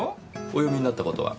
お読みになった事は？